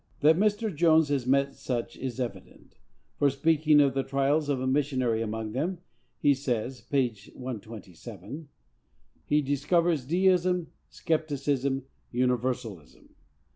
That Mr. Jones has met such is evident; for, speaking of the trials of a missionary among them, he says (p. 127): He discovers Deism, Scepticism, Universalism.